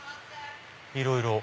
いろいろ。